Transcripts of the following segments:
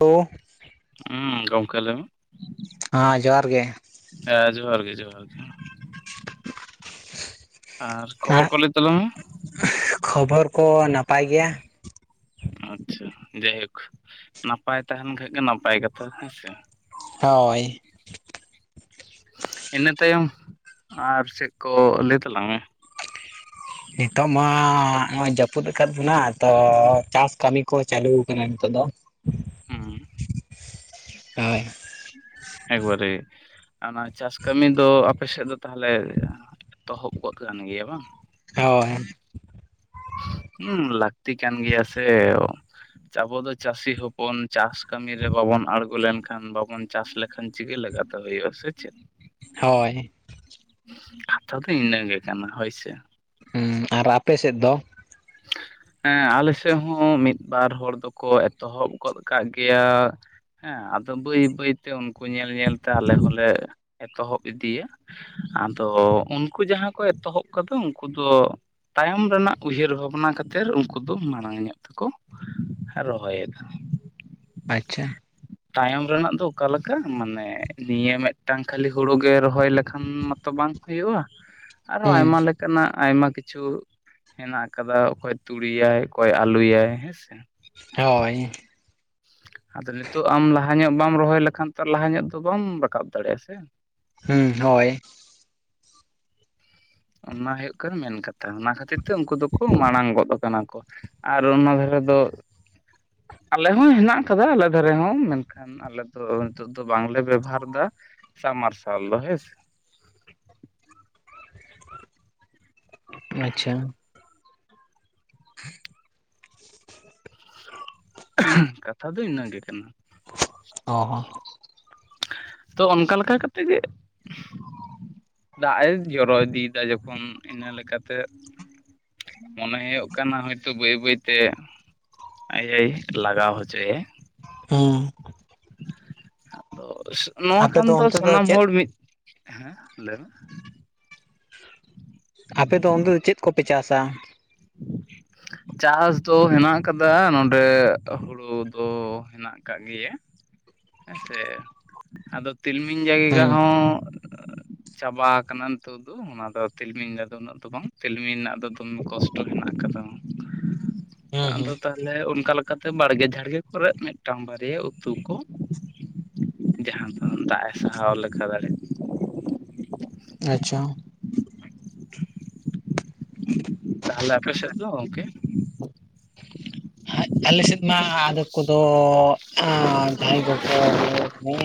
ᱛᱳ ᱦᱮᱸ ᱜᱚᱢᱠᱮ ᱞᱟᱹᱭ ᱢᱮ ᱦᱮᱸ ᱡᱚᱦᱟᱨ ᱜᱮ ᱦᱮᱸ ᱡᱚᱦᱟᱨ ᱜᱮ ᱡᱚᱦᱟᱨ ᱜᱮ ᱟᱨ ᱠᱷᱚᱵᱚᱨ ᱠᱚ ᱞᱟᱹᱭ ᱛᱟᱞᱟᱝ ᱢᱮ ᱠᱷᱚᱵᱚᱨ ᱠᱚ ᱱᱟᱯᱟᱭ ᱜᱮᱭᱟ ᱟᱪᱪᱷᱟ ᱡᱟᱭᱦᱳᱠ ᱱᱟᱯᱟᱭ ᱛᱟᱦᱮᱱ ᱠᱷᱟᱱ ᱜᱮ ᱱᱟᱯᱟᱭ ᱠᱟᱛᱷᱟ ᱦᱮᱸᱥᱮ ᱦᱳᱭ ᱤᱱᱟᱹ ᱛᱟᱭᱚᱢ ᱟᱨ ᱪᱮᱫ ᱠᱚ ᱞᱟᱹᱭ ᱛᱟᱞᱟᱝ ᱢᱮ ᱱᱤᱛᱚᱜ ᱢᱟ ᱱᱚᱜᱼᱚᱭ ᱡᱟᱹᱯᱩᱫ ᱟᱠᱟᱫ ᱵᱚᱱᱟ ᱛᱚ ᱪᱟᱥ ᱠᱟᱹᱢᱤ ᱠᱚ ᱪᱟᱹᱞᱩ ᱱᱤᱛᱚᱜ ᱫᱚ ᱦᱩᱸ ᱦᱳᱭ ᱮᱠᱵᱟᱨᱮ ᱪᱟᱥ ᱠᱟᱹᱢᱤ ᱫᱚ ᱟᱯᱮ ᱥᱮᱫ ᱫᱚ ᱛᱟᱦᱚᱞᱮ ᱮᱛᱚᱦᱚᱵ ᱜᱚᱫ ᱠᱟᱱ ᱜᱮᱭᱟ ᱵᱟᱝ ᱦᱳᱭ ᱦᱩᱸ ᱞᱟᱹᱠᱛᱤ ᱠᱟᱱ ᱜᱮᱭᱟ ᱥᱮ ᱟᱵᱚ ᱫᱚ ᱪᱟᱹᱥᱤ ᱦᱚᱯᱚᱱ ᱪᱟᱥ ᱠᱟᱹᱢᱤ ᱨᱮ ᱵᱟᱵᱚᱱ ᱟᱬᱜᱚ ᱞᱮᱱᱠᱷᱟᱱ ᱵᱟᱵᱚᱱ ᱪᱟᱥ ᱞᱮᱠᱷᱟᱱ ᱪᱤᱠᱟᱹ ᱞᱮᱜᱟ ᱛᱮ ᱦᱩᱭᱩᱜᱼᱟ ᱥᱮ ᱪᱮᱫ? ᱦᱳᱭ ᱠᱟᱛᱷᱟ ᱫᱚ ᱤᱱᱟᱹ ᱜᱮ ᱠᱟᱱᱟ ᱦᱚᱭ ᱥᱮ ᱦᱩᱸ ᱟᱨ ᱟᱯᱮ ᱥᱮᱫ ᱫᱚ? [inaudible] ᱦᱮᱸ ᱟᱞᱮ ᱥᱮᱫ ᱦᱚᱸ ᱢᱤᱫ ᱵᱟᱨ ᱦᱚᱲ ᱫᱚᱠᱚ ᱮᱛᱚᱦᱚᱵ ᱜᱚᱫ ᱠᱟᱜ ᱜᱮᱭᱟ ᱦᱮᱸ ᱟᱫᱚ ᱵᱟᱹᱭ ᱵᱟᱹᱭᱛᱮ ᱩᱱᱠᱩ ᱧᱮᱞ ᱧᱮᱞ ᱛᱮ ᱟᱞᱮ ᱦᱚᱸᱞᱮ ᱮᱛᱚᱦᱚᱵ ᱤᱫᱤᱭᱟ ᱟᱫᱚ ᱩᱱᱠᱩ ᱡᱟᱦᱟᱸ ᱠᱚ ᱮᱛᱚᱦᱚᱵ ᱠᱟᱫᱟ ᱩᱱᱠᱩ ᱫᱚ ᱛᱟᱭᱚᱢ ᱨᱮᱱᱟᱜ ᱩᱭᱦᱟᱹᱨ ᱚᱱᱟ ᱠᱷᱟᱹᱛᱤᱨ ᱩᱱᱠᱩ ᱫᱚ ᱢᱟᱲᱟᱝ ᱧᱚᱜ ᱛᱮᱠᱚ ᱨᱚᱦᱚᱭᱮᱫᱟ ᱟᱪᱪᱷᱟ ᱛᱟᱭᱚᱢ ᱨᱮᱱᱟᱜ ᱫᱚ ᱚᱠᱟᱮᱞᱮᱠᱟ ᱢᱟᱱᱮ ᱱᱤᱭᱟᱹ ᱢᱤᱫᱴᱟᱝ ᱠᱷᱟᱹᱞᱤ ᱦᱩᱲᱳ ᱜᱮ ᱨᱚᱦᱚᱭ ᱞᱮᱠᱷᱟᱱ ᱢᱟ ᱛᱚ ᱵᱟᱝ ᱠᱚ ᱦᱩᱭᱩᱜᱼᱟ ᱪᱮᱜ ᱾ ᱟᱨᱦᱚ ᱟᱭᱢᱟ ᱞᱮᱠᱟᱱᱟᱜ ᱟᱭᱢᱟ ᱠᱤᱪᱷᱩ ᱦᱮᱱᱟᱜ ᱟᱫ ᱚᱠᱚᱭ ᱛᱩᱲᱤᱭᱟᱭ ᱚᱠᱚᱭ ᱟᱹᱞᱩᱭᱟᱭ ᱦᱮᱸᱥᱮ ᱦᱳᱭ ᱟᱫᱚ ᱱᱤᱛᱳᱜ ᱟᱢ ᱞᱟᱦᱟ ᱧᱚᱜ ᱵᱟᱢ ᱨᱚᱦᱚᱭ ᱞᱮᱠᱷᱟᱱ ᱛᱚ ᱞᱟᱦᱟ ᱧᱚᱜ ᱫᱚ ᱵᱟᱢ ᱨᱟᱠᱟᱵ ᱫᱟᱲᱮᱭᱟᱜᱼᱟ ᱥᱮ ᱦᱩᱸ ᱦᱳᱭ ᱚᱱᱟ ᱦᱩᱭᱩᱜ ᱠᱟᱱᱟ ᱢᱮᱱ ᱠᱟᱛᱷᱟ ᱚᱱᱟ ᱠᱷᱟᱹᱛᱤᱨ ᱛᱮ ᱩᱱᱠᱩ ᱫᱚᱠᱚ ᱢᱟᱲᱟᱝ ᱜᱚᱫ ᱠᱟᱱᱟ ᱠᱚ ᱟᱨ ᱚᱱᱟ ᱫᱷᱟᱨᱮ ᱫᱚ ᱟᱞᱮ ᱦᱚᱸ ᱦᱮᱱᱟᱜ ᱠᱟᱫᱟ ᱟᱞᱮ ᱫᱷᱟᱨᱮ ᱦᱚᱸ ᱢᱮᱱᱠᱷᱟᱱ ᱟᱞᱮ ᱫᱚ ᱱᱤᱛᱚᱜ ᱫᱚ ᱵᱟᱝᱞᱮ ᱵᱮᱵᱷᱟᱨ ᱮᱫᱟ ᱥᱟᱢ ᱢᱟᱨᱥᱟᱞ ᱫᱚ ᱦᱮᱸᱥᱮ ᱟᱪᱪᱷᱟ [inaudible] [unintelligible] ᱠᱟᱛᱷᱟ ᱫᱚ ᱤᱱᱟᱹ ᱜᱮ ᱠᱟᱱᱟ ᱚ ᱦᱚᱸ ᱛᱚ ᱚᱱᱠᱟ ᱞᱮᱠᱟ ᱠᱟᱛᱮ ᱜᱮ ᱫᱟᱜ ᱮ ᱡᱚᱨᱚ ᱤᱫᱤᱭᱫᱟ ᱡᱚᱠᱷᱚᱱ ᱤᱱᱟᱹ ᱞᱮᱠᱟᱛᱮ ᱢᱚᱱᱮ ᱦᱳᱭᱳᱜ ᱠᱟᱱᱟ ᱦᱳᱭᱛᱚ ᱵᱟᱹᱭ ᱵᱟᱹᱭᱛᱮ ᱟᱡ ᱮᱭ ᱞᱟᱜᱟᱣ ᱦᱚᱪᱚᱭᱟ ᱦᱩᱸ ᱟᱫᱚ ᱱᱚᱣᱟ ᱟᱯᱮ ᱠᱷᱟᱱ ᱫᱚ ᱚᱱᱛᱮ ᱥᱟᱱᱟᱢ ᱪᱮᱫ ᱦᱚᱲ ᱢᱤᱫ ᱦᱮᱸ ᱞᱟᱹᱭ ᱢᱮ ᱟᱯᱮ ᱫᱚ ᱚᱱᱛᱮ ᱫᱚ ᱪᱮᱫ ᱠᱚᱯᱮ ᱪᱟᱥᱟ ᱪᱟᱥ ᱫᱚ ᱦᱮᱱᱟᱜ ᱠᱟᱫᱟ ᱱᱚᱰᱮ ᱦᱳᱲᱩ ᱫᱚ ᱦᱮᱱᱟᱜ ᱢᱮᱱᱟᱜ ᱠᱟᱜ ᱜᱮᱭᱟ ᱦᱮᱸᱥᱮ ᱟᱫᱚ ᱛᱤᱞᱢᱤᱧ ᱡᱟᱭᱜᱟ ᱦᱩᱸ ᱦᱚᱸ [inaudible] ᱪᱟᱵᱟ ᱟᱠᱟᱱᱟ ᱱᱤᱛᱚᱜ ᱫᱚ ᱚᱱᱟᱫᱚ ᱛᱤᱞᱢᱤᱧ ᱫᱚ ᱩᱱᱟᱹᱜ ᱫᱚ ᱵᱟᱝ ᱛᱤᱞᱢᱤᱧ ᱨᱮᱱᱟᱜ ᱫᱚ ᱫᱚᱢᱮ ᱠᱚᱥᱴᱚ ᱦᱮᱱᱟᱜ ᱟᱠᱟᱫᱟ ᱦᱩᱸ ᱦᱩᱸ ᱟᱫᱚ ᱛᱟᱦᱼᱼ ᱼᱞᱮ ᱚᱱᱠᱟ ᱞᱮᱠᱟᱛᱮ ᱵᱟᱲᱜᱮ ᱡᱷᱟᱲᱜᱮ ᱠᱚᱨᱮ ᱢᱮᱫᱴᱟᱝ ᱵᱟᱨᱭᱟ ᱩᱛᱩ ᱠᱚ ᱡᱟᱸᱦᱟᱸ ᱫᱚ ᱫᱟᱜ ᱮ ᱥᱟᱦᱟᱣ ᱞᱮᱠᱟ ᱫᱟᱲᱮᱜ ᱟᱪᱪᱷᱟ ᱛᱟᱦᱞᱮ ᱟᱯᱮ ᱥᱮᱫ ᱫᱚ ᱜᱚᱝᱠᱮ? ᱟᱞᱮ ᱥᱮᱫ ᱢᱟ ᱟᱫᱚ ᱠᱚᱫᱚ ᱡᱟᱸᱦᱟᱸᱭ ᱠᱚᱠᱚ ᱢᱟᱱᱮ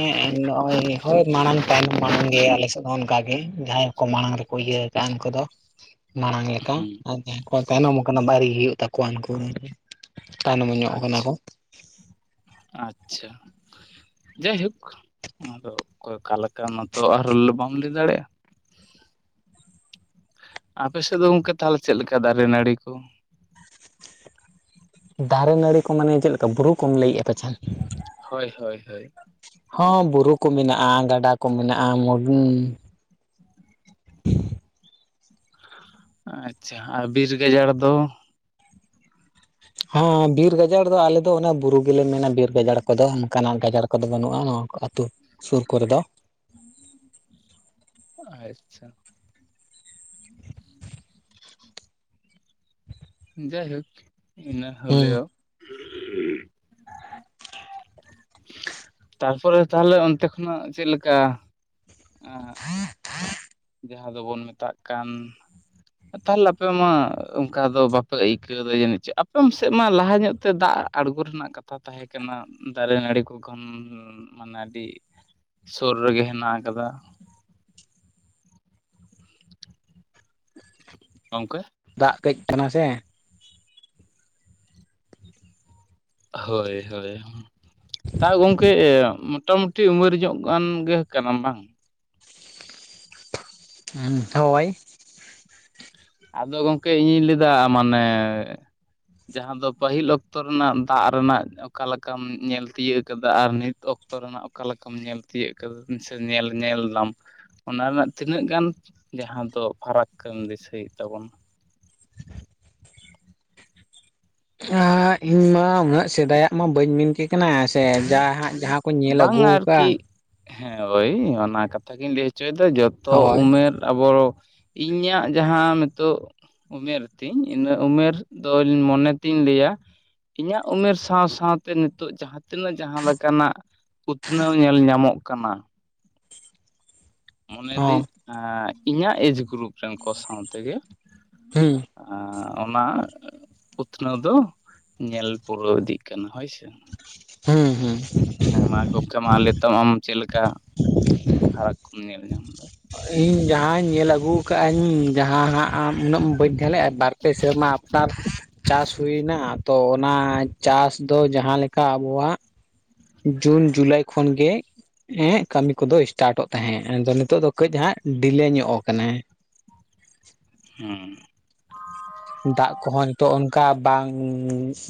ᱱᱚᱜᱼᱚᱭ ᱦᱳᱭ ᱢᱟᱲᱟᱝ ᱛᱟᱭᱱᱚᱢ ᱢᱟᱲᱟᱝ ᱜᱮ ᱟᱞᱮᱥᱮᱫ ᱦᱚᱸ ᱱᱚᱝᱠᱟᱜᱮ ᱡᱟᱦᱟᱸᱭ ᱠᱚ ᱢᱟᱲᱟᱝ ᱨᱮᱠᱚ ᱤᱭᱟᱹ ᱟᱱ ᱠᱚᱫᱚ ᱢᱟᱲᱟᱝ ᱞᱮᱠᱟ ᱦᱮᱸ ᱟᱨ ᱡᱟᱦᱟᱸᱭ ᱠᱚ ᱛᱟᱭᱱᱚᱢ ᱠᱟᱱᱟ ᱵᱟᱨᱤ ᱦᱩᱭᱩᱜ ᱛᱟᱠᱚᱣᱟ ᱩᱱᱠᱩ ᱛᱟᱭᱱᱚᱢ ᱧᱚᱜ ᱠᱟᱱᱟ ᱟᱪᱪᱷᱟ ᱠᱚ ᱟᱪᱪᱷᱟ ᱡᱟᱭᱦᱳᱠ ᱟᱫᱚ ᱚᱠᱚᱭ ᱚᱠᱟ ᱞᱮᱠᱟ ᱢᱟᱛᱚ ᱟᱨ ᱵᱟᱢ ᱞᱟᱹᱭ ᱫᱟᱲᱮᱭᱟᱜ-ᱟ ᱟᱯᱮ ᱥᱮᱫ ᱫᱚ ᱜᱚᱢᱠᱮ ᱛᱟᱦᱞᱮ ᱪᱮᱫ ᱞᱮᱠᱟ ᱫᱟᱨᱮ ᱱᱟᱲᱤ ᱠᱩ ᱫᱟᱨᱮ ᱱᱟᱹᱲᱤ ᱠᱚ ᱢᱟᱱᱮ ᱪᱮᱫ ᱞᱮᱠᱟ ᱵᱩᱨᱩ ᱠᱚᱢ ᱞᱟᱹᱭᱮᱜ-ᱟ ᱯᱟᱪᱷᱟ ᱦᱚᱭ ᱦᱚᱭ ᱦᱚᱭ ᱦᱚᱸ ᱵᱩᱨᱩ ᱠᱚ ᱢᱮᱱᱟᱜ-ᱟ ᱜᱟᱰᱟ ᱠᱚ ᱢᱮᱱᱟᱜ-ᱟ ᱢᱚᱩᱸᱻ [unintelligible] ᱟᱪᱪᱷᱟ ᱟᱨ ᱵᱤᱨ ᱜᱟᱡᱟᱲ ᱫᱚ ᱦᱚᱸ ᱵᱤᱨ ᱜᱟᱡᱟᱲ ᱫᱚ ᱟᱞᱮ ᱫᱚ ᱚᱱᱟ ᱵᱩᱨᱩ ᱜᱮᱞᱮ ᱢᱮᱱᱟ ᱵᱤᱨ ᱜᱟᱡᱟᱲ ᱠᱚᱫᱚ ᱠᱟᱱᱟ ᱜᱟᱡᱟᱲ ᱠᱚᱫᱚ ᱵᱟᱱᱩᱜ-ᱟ ᱱᱚᱣᱟ ᱠᱚ ᱟᱹᱛᱩ ᱥᱩᱨ ᱠᱚᱨᱮ ᱫᱚ ᱟᱪᱪᱷᱟ [unintelligible] ᱡᱟᱭᱦᱳᱠ ᱚᱱᱟ ᱦᱮᱸ ᱦᱚᱞᱮᱣ ᱛᱟᱨᱯᱚᱨᱮ ᱛᱟᱦᱞᱮ ᱚᱱᱛᱮ ᱠᱷᱚᱱᱟᱜ ᱪᱮᱫᱞᱮᱠᱟ [inaudible] ᱡᱟᱦᱟᱸ ᱫᱚᱵᱚᱱ ᱢᱮᱛᱟᱜ ᱠᱟᱱ [inaudible] ᱛᱟᱦᱞᱮ ᱟᱯᱮ ᱢᱟ ᱚᱱᱠᱟ ᱫᱚ ᱵᱟᱯᱮ ᱟᱹᱭᱠᱟᱹᱣ ᱫᱟ ᱡᱟᱱᱤᱡ ᱪᱚ ᱟᱯᱮ ᱥᱮᱫ ᱢᱟ ᱞᱟᱦᱟ ᱧᱚᱜ ᱛᱮ ᱫᱟᱜ ᱟᱬᱜᱩ ᱨᱮᱱᱟᱜ ᱠᱟᱛᱷᱟ ᱛᱟᱦᱮᱸ ᱠᱟᱱᱟ ᱫᱟᱨᱮ ᱱᱟᱲᱤ ᱠᱚ ᱠᱷᱚᱱ ᱢᱟᱱᱮ ᱟᱰᱤ ᱥᱳᱨ ᱨᱮᱜᱮ ᱦᱮᱱᱟᱜ ᱟᱠᱟᱫᱟ ᱜᱚᱝᱠᱮ ᱫᱟᱜ ᱠᱟᱹᱡ ᱠᱟᱱᱟ ᱥᱮ ᱦᱳᱭ ᱦᱳᱭ ᱛᱟ ᱜᱚᱝᱠᱮ ᱢᱚᱴᱟᱢᱩᱴᱤ ᱩᱢᱮᱨ ᱧᱚᱜ ᱜᱟᱱ ᱜᱮ ᱠᱟᱱᱟᱢ ᱵᱟᱝ ᱦᱚᱭ ᱟᱫᱚ ᱜᱚᱝᱠᱮ ᱤᱧᱤᱧ ᱞᱟᱹᱭᱫᱟ ᱢᱟᱱᱮ ᱡᱟᱦᱟᱸ ᱫᱚ ᱯᱟᱹᱦᱤᱞ ᱚᱠᱛᱚ ᱨᱮᱱᱟᱜ ᱫᱟᱜ ᱨᱮᱱᱟᱜ ᱚᱠᱟ ᱞᱮᱠᱟᱢ ᱧᱮᱞ ᱛᱤᱭᱟᱹᱜ ᱟᱠᱟᱫᱟ ᱟᱨ ᱱᱤᱛ ᱚᱠᱛᱚ ᱨᱮᱱᱟᱜ ᱚᱠᱟ ᱞᱮᱠᱟᱢ ᱧᱮᱞ ᱛᱤᱭᱟᱹᱜ ᱠᱟᱫᱟ ᱥᱮ ᱧᱮᱞ ᱧᱮᱞ ᱫᱟᱢ ᱚᱱᱟ ᱨᱮᱱᱟᱜ ᱛᱤᱱᱟᱹᱜ ᱜᱟᱱ ᱡᱟᱦᱟᱸ ᱫᱚ ᱯᱷᱟᱨᱟᱠ ᱮᱢ ᱫᱤᱥᱟᱹᱭᱮᱫ ᱛᱟᱵᱚᱱᱟ [inaudible] ᱤᱧ ᱢᱟ ᱩᱱᱟᱹᱜ ᱥᱮᱫᱟᱭᱟᱜ ᱢᱟ ᱵᱟᱹᱧ ᱢᱮᱱ ᱠᱮ ᱠᱟᱱᱟ ᱥᱮ ᱡᱟᱼᱦᱟᱸᱜ ᱡᱟᱦᱟᱸ ᱠᱚ ᱧᱮᱞ ᱵᱟᱝ ᱟᱹᱜᱩ ᱟᱠᱟᱫ ᱟᱨᱠᱤ ᱦᱮᱸ ᱳᱭ ᱚᱱᱟ ᱠᱟᱛᱷᱟ ᱜᱤᱧ ᱞᱟᱹᱭ ᱦᱚᱪᱚᱭᱮᱫᱟ ᱡᱚᱛᱚ ᱦᱳᱭ ᱩᱢᱮᱨ ᱟᱵᱚ ᱤᱧᱟᱹᱜ ᱡᱟᱦᱟᱸ ᱱᱤᱛᱚᱜ ᱩᱢᱮᱨ ᱛᱤᱧ ᱤᱱᱟᱹ ᱩᱢᱮᱨ ᱫᱚ ᱢᱚᱱᱮ ᱛᱤᱧ ᱞᱟᱹᱭᱟ ᱤᱧᱟᱹᱜ ᱩᱢᱮᱨ ᱥᱟᱶ ᱥᱟᱶᱛᱮ ᱱᱤᱛᱚᱜ ᱡᱟᱦᱟᱸ ᱛᱤᱱᱟᱹᱜ ᱡᱟᱦᱟᱸ ᱞᱮᱠᱟᱱᱟᱜ ᱩᱛᱱᱟᱹᱣ ᱧᱮᱞ ᱧᱟᱢᱚᱜ ᱠᱟᱱᱟ᱾ ᱢᱚᱱᱮᱭ ᱦᱚᱸ ᱫᱟᱹᱧ ᱤᱧᱟᱹᱜ ᱮᱡᱽ ᱜᱨᱩᱯ ᱨᱮᱱ ᱠᱚ ᱥᱟᱶ ᱛᱮᱜᱮ ᱦᱮᱸ ᱚᱱᱟ ᱩᱛᱱᱟᱹᱣ ᱫᱚ ᱧᱮᱞ ᱯᱩᱨᱟᱹᱣ ᱤᱫᱤᱜ ᱠᱟᱱᱟ ᱦᱳᱭᱥᱮ ᱦᱮᱸ ᱦᱮᱸ ᱦᱮᱸ ᱢᱟ ᱜᱚᱢᱠᱮ ᱢᱟ ᱞᱮ ᱛᱟᱢ ᱪᱮᱫ ᱞᱮᱠᱟ ᱯᱷᱟᱨᱟᱠ ᱠᱚᱢ ᱧᱮᱞ ᱧᱟᱢ ᱮᱫᱟ ᱤᱧ ᱡᱟᱦᱟᱸᱧ ᱧᱮᱞ ᱟᱹᱜᱩ ᱟᱠᱟᱫᱟᱹᱧ ᱡᱟᱦᱟᱸ ᱦᱟᱸᱜ ᱟᱢ ᱩᱱᱟᱹᱜ ᱢᱟ ᱵᱟᱹᱧ ᱛᱟᱦᱮᱸ ᱞᱮᱫᱼᱟ ᱵᱟᱨᱯᱮ ᱥᱮᱨᱢᱟ ᱟᱯᱱᱟᱨ ᱪᱟᱥ ᱦᱩᱭᱮᱱᱟ ᱛᱚ ᱚᱱᱟ ᱪᱟᱥ ᱫᱚ ᱡᱟᱦᱟᱸ ᱞᱮᱠᱟ ᱟᱵᱚᱣᱟᱜ ᱡᱩᱱ ᱡᱩᱞᱟᱭ ᱠᱷᱚᱱᱜᱮ ᱦᱮᱸ ᱠᱟᱹᱢᱤ ᱠᱚᱫᱚ ᱤᱥᱴᱟᱴᱚᱜ ᱛᱟᱦᱮᱸᱫ ᱟᱫᱚ ᱱᱤᱛᱚᱜ ᱫᱚ ᱠᱟᱹᱡ ᱦᱟᱸᱜ ᱰᱤᱞᱮ ᱧᱚᱜ ᱟᱠᱟᱱᱟ ᱦᱩᱸ ᱫᱟᱜ ᱠᱚᱦᱚᱸ ᱱᱤᱛᱚᱜ ᱚᱱᱠᱟ ᱵᱟᱝ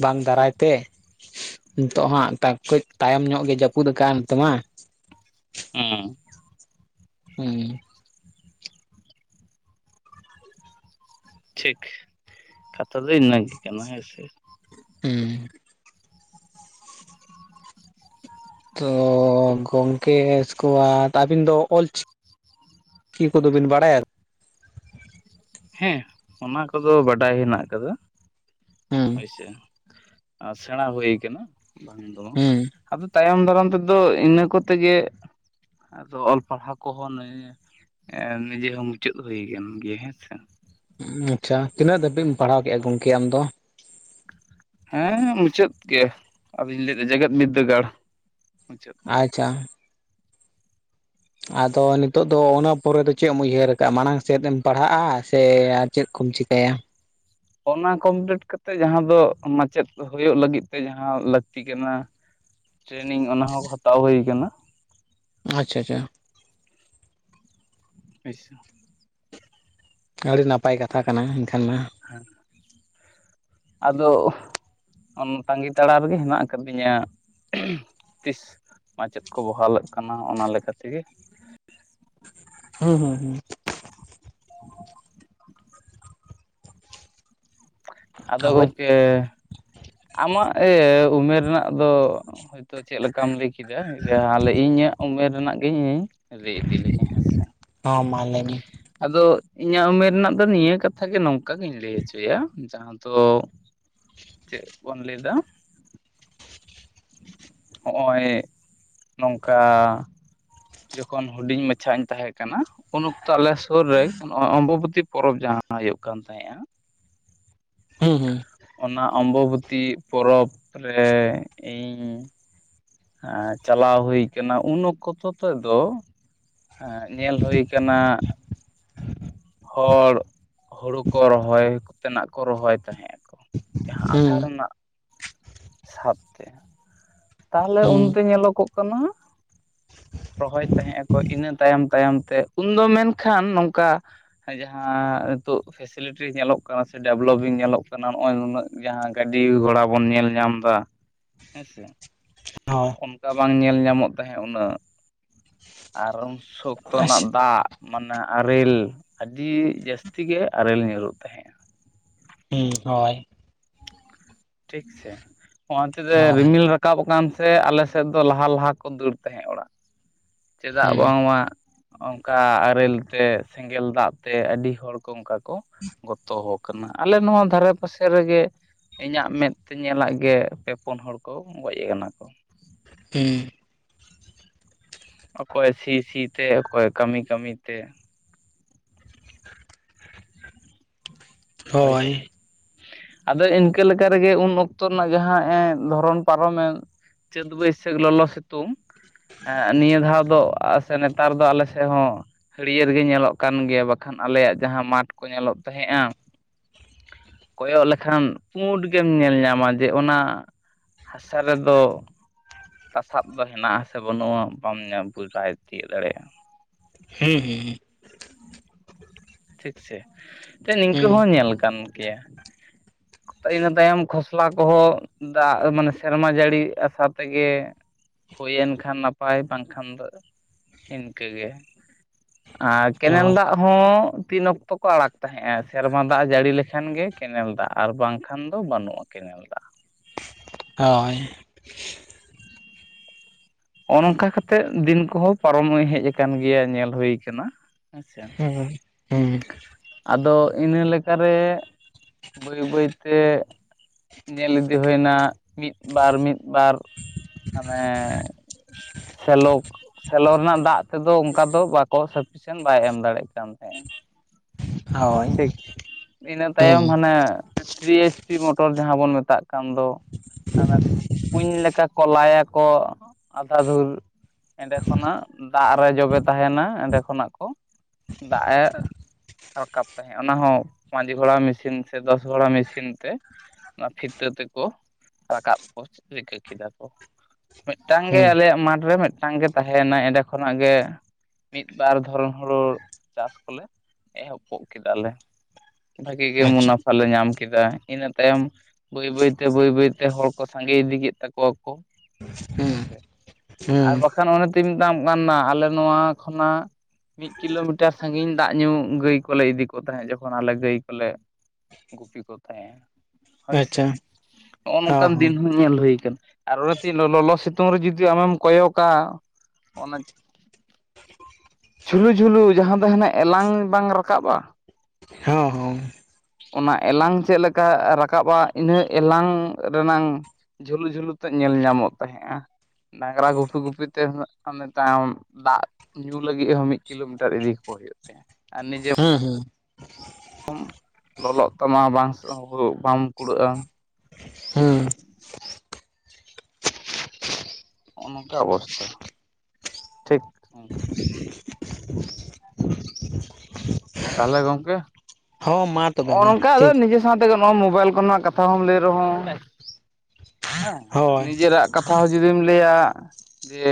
ᱵᱟᱝ ᱫᱟᱨᱟᱭ ᱛᱮ ᱱᱤᱛᱚᱜ ᱦᱟᱸᱜ ᱫᱟᱜ ᱠᱟᱹᱡ ᱛᱟᱭᱚᱢ ᱧᱚᱜ ᱜᱮ ᱡᱟᱹᱯᱩᱫ ᱟᱠᱟᱜ ᱱᱚᱛᱮ ᱢᱟ ᱦᱩᱸ ᱦᱩᱸ ᱴᱷᱤᱠ ᱠᱟᱛᱷᱟ ᱫᱚ ᱤᱱᱟᱹᱜᱤ ᱠᱟᱱᱟ ᱦᱮᱸᱥᱮ᱾ ᱦᱩᱸ ᱛᱚ ᱜᱚᱝᱠᱮ ᱚᱥᱠᱮᱵᱟᱫ ᱟᱹᱵᱤᱱ ᱫᱚ ᱚᱞᱪᱤᱠᱤ ᱪᱤ ᱠᱚᱫᱚᱚᱵᱤᱱ ᱵᱟᱲᱟᱭᱟ ᱦᱮᱸ ᱚᱱᱟ ᱠᱚᱫᱚ ᱵᱟᱰᱟᱭ ᱦᱮᱱᱟᱜ ᱠᱟᱫᱟ ᱦᱩᱸ ᱦᱳᱭᱥᱮ ᱾ ᱟᱨ ᱥᱮᱸᱬᱟ ᱦᱩᱭᱩ ᱠᱟᱱᱟ ᱵᱟᱝ ᱦᱩᱸ ᱟᱫᱚ ᱛᱟᱭᱚᱢ ᱫᱟᱨᱟᱢ ᱛᱮᱫᱚ ᱤᱱᱟᱹ ᱠᱚᱛᱮᱜᱮ ᱟᱫᱚ ᱚᱞ ᱯᱟᱲᱦᱟᱣ ᱠᱚᱦᱚᱸ ᱱ ᱱᱤᱡᱮ ᱦᱚᱸ ᱢᱩᱪᱟᱹᱫ ᱦᱩᱭ ᱟᱠᱟᱱ ᱜᱮᱭᱟ ᱦᱮᱸᱥᱮ ᱟᱪᱪᱷᱟ ᱛᱤᱱᱟᱹᱜ ᱫᱷᱟᱹᱵᱤᱡ ᱮᱢ ᱯᱟᱲᱦᱟᱣ ᱠᱮᱫᱼᱟ ᱜᱚᱝᱠᱮ ᱟᱢ ᱫᱚ ᱦᱮᱸ ᱢᱩᱪᱟᱹᱫ ᱜᱮ ᱟᱫᱚᱧ ᱞᱟᱹᱭᱫᱟ ᱡᱮᱜᱮᱫ ᱵᱤᱫᱽᱫᱟᱹᱜᱟᱲ ᱢᱩᱪᱟᱹᱫ ᱟᱪᱪᱷᱟ ᱟᱫᱚ ᱱᱤᱛᱚᱜᱜ ᱫᱚ ᱚᱱᱟ ᱯᱚᱨᱮ ᱫᱚ ᱪᱮᱫ ᱮᱢ ᱩᱭᱦᱟᱹᱨ ᱟᱠᱟᱫᱼᱟ ᱢᱟᱲᱟᱝ ᱥᱮᱫ ᱮᱢ ᱯᱟᱲᱦᱟᱜᱼᱟ ᱥᱮ ᱟᱨ ᱪᱮᱫ ᱠᱚᱢ ᱪᱤᱠᱟᱹᱭᱟ ᱚᱱᱟ ᱠᱚᱢᱯᱞᱤᱴ ᱠᱟᱛᱮᱜ ᱡᱟᱦᱟᱸ ᱫᱚ ᱢᱟᱪᱮᱫ ᱦᱩᱭᱩᱜ ᱞᱟᱹᱜᱤᱫ ᱛᱮ ᱡᱟᱦᱟᱸ ᱞᱟᱹᱠᱛᱤ ᱠᱟᱱᱟ [inaudible] ᱴᱨᱮᱱᱤᱝ ᱚᱱᱟ ᱦᱚᱸᱦᱟᱛᱟᱣ ᱦᱩᱭ ᱟᱠᱟᱱᱟ ᱟᱪᱪᱷᱟ ᱟᱪᱪᱷᱟ ᱟᱪᱥᱷᱟ [inaudible] ᱟᱹᱰᱤ ᱱᱟᱯᱟᱭ ᱠᱟᱛᱷᱟ ᱠᱟᱱᱟ ᱮᱱᱠᱷᱟᱱ ᱢᱟ ᱦᱮᱸ ᱟᱫᱚ ᱚᱱᱟ ᱛᱟᱺᱜᱤ ᱛᱟᱲᱟᱜ ᱨᱮᱜᱮ ᱦᱮᱱᱟᱜ ᱟᱠᱟᱫᱤᱧᱟ ᱛᱤᱥ ᱢᱟᱪᱮᱫ ᱠᱚ ᱵᱚᱦᱟᱞᱟᱜ ᱠᱟᱱᱟ ᱚᱱᱟ ᱞᱮᱠᱟ ᱛᱤᱜᱤ ᱦᱩᱸ ᱦᱩᱸ ᱦᱩᱸ ᱟᱫᱚ ᱟᱵᱚᱭᱤᱡ ᱜᱚᱝᱠᱮ ᱟᱢᱟᱜ ᱩᱢᱮᱨ ᱨᱮᱱᱟᱜ ᱫᱚ ᱛᱚ ᱪᱮᱫ ᱞᱮᱠᱟᱢ ᱞᱟᱹᱭ ᱠᱮᱫᱟ ᱛᱟᱦᱚᱞᱮ ᱤᱧᱟᱹᱜ ᱩᱢᱮᱨ ᱨᱮᱱᱟᱜ ᱜᱮᱤ ᱤᱧ ᱨᱮ ᱤᱫᱤ ᱞᱮᱜᱮ ᱦᱮᱸᱥᱮ ᱦᱚᱸ ᱢᱟ ᱞᱟᱹᱭ ᱢᱮ ᱟᱫᱚ ᱤᱧᱟᱹᱜ ᱩᱢᱮᱨ ᱨᱮᱱᱟᱜ ᱫᱚ ᱱᱤᱭᱟᱹ ᱠᱟᱛᱷᱟ ᱜᱮ ᱱᱚᱝᱠᱟ ᱜᱤᱧ ᱞᱟᱹᱭ ᱦᱚᱪᱚᱭᱟ ᱡᱟᱦᱟᱸ ᱫᱚ ᱪᱮᱫ ᱵᱚᱱ ᱞᱟᱹᱭᱫᱟ ᱦᱚᱜᱼᱚᱭ ᱱᱚᱝᱠᱟ ᱡᱚᱠᱷᱚᱱ ᱦᱩᱰᱤᱧ ᱢᱟᱪᱷᱟ ᱤᱧ ᱛᱟᱦᱮᱸᱫ ᱠᱟᱱᱟ ᱩᱱ ᱚᱠᱛᱚ ᱟᱞᱮ ᱥᱩᱨ ᱨᱮ ᱱᱚᱜ ᱚᱢᱵᱚᱵᱚᱛᱤ ᱯᱚᱨᱚᱵᱽ ᱡᱟᱦᱟᱸ ᱦᱩᱭᱩᱜ ᱠᱟᱱ ᱛᱟᱦᱮᱸᱼᱟ᱾ ᱦᱩᱸ ᱦᱩᱸ ᱚᱱᱟ ᱚᱢᱵᱚᱵᱚᱛᱤ ᱯᱚᱨᱚᱵᱽ ᱨᱮ ᱤᱧ ᱦᱮᱸ ᱪᱟᱞᱟᱣ ᱦᱩᱭ ᱠᱟᱱᱟ ᱩᱱ ᱚᱠᱛᱚ ᱛᱮ ᱫᱚ ᱦᱮᱸ ᱧᱮᱞ ᱦᱩᱭ ᱠᱟᱱᱟ ᱦᱚᱲ ᱦᱩᱲᱩ ᱠᱚ ᱨᱚᱦᱚᱭ ᱠᱚᱛᱮᱱᱟᱜ ᱠᱚ ᱨᱚᱦᱚᱭ ᱛᱟᱦᱮᱸᱫ᱾ ᱡᱟᱦᱟᱸ ᱟᱥᱟᱲ ᱦᱩᱸ ᱨᱮᱱᱟᱜ ᱥᱟᱵᱛᱮ ᱛᱟᱦᱚᱞᱮ ᱩᱱᱨᱮ ᱦᱩᱸ ᱧᱮᱞᱚᱜᱚᱜ ᱠᱟᱱᱟ᱾ ᱨᱚᱦᱚᱭ ᱛᱟᱦᱮᱸᱫ ᱟᱠᱚ ᱤᱱᱟᱹ ᱛᱟᱭᱚᱢ ᱛᱟᱭᱚᱢ ᱛᱮ ᱩᱱᱫᱚ ᱢᱮᱱᱠᱷᱟᱱ ᱱᱚᱝᱠᱟ ᱦᱮᱸ ᱡᱟᱦᱟᱸ ᱱᱤᱛᱚᱜ ᱯᱷᱮᱥᱮᱞᱤᱴᱤ ᱧᱮᱞᱚᱜ ᱠᱟᱱᱟ ᱥᱮ ᱰᱮᱵᱷᱞᱚᱯᱤᱝ ᱧᱮᱞᱚᱜ ᱠᱟᱱᱟ, ᱱᱚᱜᱼᱚᱭ ᱱᱩᱱᱟᱹᱜ ᱡᱟᱦᱟᱸ ᱜᱟᱹᱰᱤ ᱜᱷᱚᱲᱟ ᱵᱚᱱ ᱧᱮᱞ ᱧᱟᱢ ᱮᱫᱟ᱾ [inaudible] ᱦᱮᱸ ᱥᱮ ᱟᱣ ᱚᱱᱠᱟ ᱵᱟᱝ ᱧᱮᱞ ᱧᱟᱢᱚᱜ ᱛᱟᱦᱮᱸ ᱩᱱᱟᱹᱜ ᱟᱨᱚᱱ ᱥᱚᱠᱛᱚ ᱦᱳᱭ ᱱᱟᱜ ᱫᱟᱜᱽ ᱢᱟᱱᱮ ᱟᱨᱮᱞ ᱟᱹᱰᱤ ᱡᱟᱹᱥᱛᱤ ᱜᱮ ᱟᱨᱮᱞ ᱧᱩᱨᱩᱜ ᱛᱟᱦᱮᱸ᱾ ᱦᱳᱭ ᱴᱷᱤᱠ ᱥᱮ ᱦᱚ ᱚᱱᱛᱮ ᱛᱮ ᱦᱳᱭ ᱨᱤᱢᱤᱞ ᱨᱟ ᱨᱟᱠᱟᱵ ᱟᱠᱟᱱ ᱥᱮ ᱟᱞᱮ ᱥᱮᱫ ᱫᱚ ᱞᱟᱦᱟ ᱞᱟᱦᱟ ᱠᱚ ᱫᱟᱹᱲ ᱛᱟᱦᱮᱸᱫ ᱚᱲᱟᱜ, ᱪᱮᱫᱟᱜ ᱦᱩᱸ ᱵᱟᱝᱢᱟ ᱚᱝᱠᱟ ᱟᱨᱮᱞ ᱛᱮ ᱥᱮᱸᱜᱮᱞ ᱫᱟᱜ ᱛᱮ ᱟᱹᱰᱤ ᱦᱚᱲ ᱠᱚ ᱚᱝᱠᱟ ᱠᱚ ᱜᱚᱛᱚ ᱟᱠᱟᱱᱟ ᱟᱞᱮ ᱱᱚᱣᱟ ᱫᱷᱟᱨᱮ ᱯᱟᱥᱮ ᱨᱮᱜᱮ ᱤᱧᱟᱜ ᱢᱮᱫᱛᱮ ᱧᱮᱞᱟᱜ ᱜᱮ ᱯᱮ ᱯᱩᱱ ᱦᱚᱲ ᱠᱚ ᱜᱚᱡ ᱟᱠᱟᱱᱟ ᱠᱚ᱾ ᱦᱩᱸ ᱚᱠᱚᱭ ᱥᱤ ᱥᱤ ᱛᱮ ᱚᱠᱚᱭ ᱠᱟᱹᱢᱤ ᱠᱟᱹᱢᱤ ᱛᱮ, ᱦᱳᱭ ᱥᱮ ᱟᱫᱚ ᱤᱱᱠᱟᱹ ᱞᱮᱠᱟ ᱨᱮᱜᱮ ᱩᱱ ᱚᱠᱛᱚ ᱨᱮᱱᱟᱜ ᱡᱟᱦᱟᱸ ᱮ ᱫᱷᱚᱨᱚᱱ ᱯᱟᱨᱚᱢᱮᱱ ᱪᱟᱹᱛ ᱵᱟᱹᱭᱥᱟᱹᱠᱷ ᱞᱚᱞᱚ ᱥᱤᱛᱩᱝ ᱱᱤᱭᱟᱹ ᱫᱷᱟᱣ ᱫᱚ ᱥᱮ ᱱᱮᱛᱟᱨ ᱫᱚ ᱟᱞᱮ ᱥᱮᱫ ᱦᱚᱸ ᱦᱟᱹᱨᱤᱭᱟᱹᱲ ᱜᱮ ᱧᱮᱞᱚᱜ ᱠᱟᱱ ᱜᱮᱭᱟ, ᱵᱟᱠᱷᱟᱱ ᱟᱞᱮᱭᱟᱜ ᱡᱟᱦᱟᱸ ᱢᱟᱴᱷ ᱠᱚ ᱧᱮᱞᱚᱜ ᱛᱟᱦᱮᱸᱫᱼᱟ᱾ ᱠᱚᱭᱚᱜ ᱞᱮᱠᱷᱟᱱ ᱯᱩᱸᱰ ᱜᱮᱢ ᱧᱮᱞ ᱧᱟᱢᱟ ᱡᱮ ᱚᱱᱟ ᱦᱟᱥᱟ ᱨᱮᱫᱚ ᱛᱟᱥᱟᱵ ᱫᱚ ᱦᱮᱱᱟᱜᱼᱟᱥᱮ ᱵᱟᱹᱱᱩᱜᱼᱟ, ᱵᱟᱢ ᱧᱟᱢ ᱵᱩᱡᱥᱟᱦᱮᱫ ᱛᱤᱭᱳᱟᱹᱜ ᱫᱟᱲᱮᱭᱟᱜᱼᱟ᱾ ᱦᱩᱸ ᱦᱩᱸ ᱴᱷᱤᱠ ᱥᱮ ᱥᱮ ᱱᱤᱝᱠᱟᱹ ᱦᱩᱸ ᱦᱚᱸ ᱧᱮᱞ ᱠᱟᱱ ᱜᱮᱭᱟ᱾ [inaudible] ᱤᱱᱟᱹ ᱛᱟᱭᱚᱢ ᱠᱷᱚᱥᱞᱟ ᱠᱚᱦᱚᱸ ᱫᱟᱜ ᱢᱟᱱᱮ ᱥᱮᱨᱢᱟ ᱡᱟᱹᱲᱤ ᱟᱥᱟ ᱛᱮᱜᱮ, ᱦᱩᱭᱮᱱ ᱠᱷᱟᱱ ᱱᱟᱯᱟᱭ ᱵᱟᱝᱠᱷᱟᱱ ᱫᱚ ᱤᱱᱠᱟᱹ ᱜᱮ ᱟᱨ ᱠᱮᱱᱮᱞ ᱦᱩᱸ ᱦᱳᱭ ᱫᱟᱜ ᱦᱚᱸ ᱛᱤᱱ ᱚᱠᱛᱚ ᱠᱚ ᱟᱲᱟᱠ ᱛᱟᱦᱮᱸᱼᱟ᱾ ᱥᱮᱨᱢᱟ ᱫᱟᱜ ᱡᱟᱹᱲᱤ ᱞᱮᱠᱷᱟᱱ ᱜᱮ ᱠᱮᱱᱮᱞ ᱫᱟᱜ ᱟᱨ ᱵᱟᱝᱠᱷᱟᱱ ᱫᱚ ᱵᱟᱹᱱᱩᱜᱼᱟ᱾ ᱠᱮᱱᱮᱞ ᱫᱟᱜ ᱦᱳᱭ ᱦᱚ-ᱚ ᱱᱚᱝᱠᱟ ᱠᱟᱛᱮᱜ ᱫᱤᱱ ᱠᱚᱦᱚᱸ ᱯᱟᱨᱚᱢ ᱦᱮᱡ ᱟᱠᱟᱱ ᱜᱮᱭᱟ᱾ ᱧᱮᱞ ᱦᱩᱭ ᱠᱟᱱᱟ ᱦᱩᱸ ᱦᱩᱸ ᱟᱫᱚ ᱤᱱᱟᱹ ᱞᱮᱠᱟᱨᱮ ᱵᱟᱹᱭ ᱵᱟᱹᱭ ᱛᱮ ᱧᱮᱞ ᱤᱫᱤ ᱦᱩᱭᱱᱟ ᱢᱤᱫ ᱵᱟᱨ ᱢᱤᱫ ᱵᱟᱨ ᱢᱟᱱᱮ ᱥᱮᱞᱚᱠ ᱥᱮᱞᱚ ᱨᱮᱱᱟᱜ ᱫᱟᱜ ᱛᱮᱫᱚ ᱚᱝᱠᱟ ᱫᱚ ᱵᱟᱠᱚ ᱥᱟᱯᱷᱤᱥᱤᱭᱮᱱ ᱵᱟᱭ ᱮᱢ ᱫᱟᱲᱮᱜ ᱠᱟᱱ ᱛᱟᱦᱮᱸ ᱦᱳᱭ ᱴᱷᱤᱠ ᱤᱱᱟᱹ ᱦᱩᱸ ᱛᱟᱭᱚᱢ ᱦᱟᱱᱮ ᱛᱷᱨᱤ ᱮᱭᱤᱪ ᱯᱤ ᱢᱚᱴᱚᱨ ᱡᱟᱦᱟᱸ ᱵᱚᱱ ᱢᱮᱛᱟᱜ ᱠᱟᱱ ᱫᱚ᱾ ᱦᱟᱱᱮ ᱠᱩᱧ ᱞᱮᱠᱟ ᱠᱚ ᱞᱟᱭᱟᱠᱚ ᱟᱫᱷᱟ ᱫᱷᱩᱨ ᱮᱸᱰᱮ ᱠᱷᱚᱱᱟᱜ ᱫᱟᱜ ᱨᱮ ᱡᱚᱵᱮ ᱛᱟᱦᱮᱱᱟ ᱮᱸᱰᱮ ᱠᱷᱚᱱᱟᱜ ᱠᱚ ᱫᱟᱜ-ᱮ ᱨᱟᱠᱟᱵ ᱛᱟᱦᱮᱸᱜ ᱚᱱᱟ ᱦᱚᱸ ᱯᱟᱸᱪ ᱜᱷᱚᱲᱟ ᱢᱤᱥᱤᱱ ᱥᱮ ᱫᱚᱥ ᱜᱷᱚᱲᱟ ᱢᱮᱥᱤᱱ ᱛᱮ ᱚᱱᱟ ᱯᱷᱤᱛᱟᱹ ᱛᱮᱠᱚ ᱨᱟᱠᱟᱵ ᱠᱚ ᱨᱤᱠᱟᱹ ᱠᱮᱫᱟ ᱠᱚ ᱢᱤᱫᱴᱟᱝ ᱜᱮ ᱦᱩᱸ ᱟᱞᱮᱭᱟᱜ ᱢᱟᱴᱷ ᱨᱮ ᱢᱤᱫᱴᱟᱝ ᱜᱮ ᱛᱟᱦᱮᱭᱮᱱᱟ ᱮᱸᱰᱮ ᱠᱷᱚᱱᱟᱜ ᱜᱮ ᱢᱤᱫ ᱵᱟᱨ ᱫᱷᱚᱨᱚᱱ ᱦᱩᱲᱩ ᱪᱟᱥ ᱠᱚᱞᱮ ᱮᱦᱚᱵ ᱠᱚᱜ ᱠᱮᱫᱟ ᱞᱮ ᱵᱷᱟᱜᱤ ᱜᱮ ᱟᱪᱪᱷᱟ ᱢᱩᱱᱟᱯᱷᱟ ᱞᱮ ᱧᱟᱢ ᱠᱮᱫᱟ ᱤᱱᱟᱹ ᱛᱟᱭᱚᱢ ᱵᱟᱹᱭ ᱵᱟᱹᱭ ᱛᱮ ᱵᱟᱹᱭ ᱵᱟᱹᱭ ᱛᱮ ᱦᱚᱲ ᱠᱚ ᱥᱟᱸᱜᱮ ᱤᱫᱤ ᱠᱮᱫ ᱛᱟᱠᱚᱣᱟ ᱠᱚ ᱩᱸ ᱟᱨ ᱵᱟᱠᱷᱟᱱ ᱚᱱᱮ ᱛᱳᱧ ᱢᱮᱛᱟᱢ ᱠᱟᱱᱟ ᱟᱞᱮ ᱱᱚᱣᱟ ᱠᱷᱚᱱᱟᱜ ᱢᱤᱫ ᱠᱤᱞᱳᱢᱤᱴᱟᱨ ᱥᱟᱺᱜᱤᱧ ᱫᱟᱜ ᱧᱩ ᱜᱟᱹᱭ ᱠᱚᱞᱮ ᱤᱫᱤ ᱠᱚ ᱛᱟᱦᱮᱸᱫ ᱡᱚᱠᱷᱚᱱ ᱟᱞᱮ ᱜᱟᱹᱭ ᱠᱚᱞᱮ ᱜᱩᱯᱤ ᱠᱚ ᱛᱟᱦᱮᱸᱫ ᱦᱳᱭᱥᱮ ᱟᱪᱪᱷᱟ ᱱᱚᱜᱼᱚ ᱱᱚᱝᱠᱟᱱ ᱫᱤᱱ ᱦᱚᱸ ᱧᱮᱞ ᱦᱩᱭ ᱠᱟᱱᱟ ᱟᱨ ᱚᱱᱮᱛᱚᱧ ᱞᱚᱞᱚ ᱥᱤᱛᱩᱝ ᱨᱮ ᱡᱩᱫᱤ ᱟᱢᱮᱢ ᱠᱚᱭᱚ ᱠᱟ ᱚᱱᱟ ᱡᱷᱩᱞᱩ ᱡᱷᱩᱞᱩ ᱡᱟᱦᱟᱸ ᱫᱚ ᱦᱱᱟᱜ ᱮᱞᱟᱝ ᱵᱟᱝ ᱨᱟᱠᱟᱵ-ᱟ ᱦᱚᱸ ᱦᱚᱸ ᱚᱱᱟ ᱮᱞᱟᱝ ᱪᱮᱫ ᱞᱮᱠᱟ ᱨᱟᱠᱟᱵ-ᱟ ᱤᱱᱟᱹ ᱮᱞᱟᱝ ᱨᱮᱱᱟᱝ ᱡᱷᱩᱞᱩ ᱡᱷᱩᱞᱩ ᱛᱮ ᱧᱮᱞ ᱧᱟᱢᱚᱜ ᱛᱟᱦᱮᱸᱼᱟ ᱰᱟᱝᱨᱟ ᱜᱩᱯᱤ ᱜᱩᱯᱤ ᱛᱮ ᱛᱟᱭᱚᱢ ᱫᱟᱜ ᱧᱩ ᱞᱟᱹᱜᱤᱫ ᱦᱚᱸ ᱢᱤᱫ ᱠᱤᱞᱳᱢᱤᱴᱟᱨ ᱤᱫᱤ ᱠᱚ ᱦᱩᱭᱩᱜ ᱛᱟᱦᱮᱫ ᱟᱨ ᱱᱤᱡᱮ ᱦᱮᱸ ᱦᱮᱸ ᱞᱚᱞᱚᱜ ᱛᱟᱢᱟ ᱵᱟᱝ ᱥᱮ ᱵᱟᱢ ᱠᱩᱲᱟᱹᱜᱼᱟ ᱦᱮᱸ ᱱᱚᱜ-ᱚ ᱱᱚᱝᱠᱟ ᱚᱵᱚᱥᱛᱷᱟ ᱴᱷᱤᱠ ᱚᱱᱠᱟ ᱛᱟᱦᱚᱞᱮ ᱜᱚᱝᱠᱮ ᱦᱚᱸ ᱢᱟ ᱛᱚᱵᱮ ᱱᱚᱜ-ᱚ ᱢᱟ ᱱᱚᱝᱠᱟ ᱟᱫᱚ ᱴᱷᱤᱠ ᱱᱤᱡᱮ ᱥᱟᱸᱶᱛᱮᱜᱮ ᱱᱚᱣᱟᱜ ᱢᱳᱵᱟᱭᱤᱞ ᱠᱚᱨᱮᱱᱟᱜ ᱠᱟᱛᱷᱟ ᱦᱚᱸᱢ ᱞᱟᱹᱭ ᱨᱮᱦᱚᱸ ᱦᱮᱸ ᱦᱳᱭ ᱱᱤᱡᱮᱨᱟᱜ ᱠᱟᱛᱷᱟ ᱦᱚᱸ ᱡᱩᱫᱤᱢ ᱞᱟᱹᱭᱟ ᱡᱮ